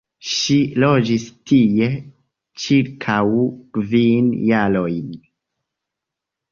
Ŝi loĝis tie ĉirkaŭ kvin jarojn.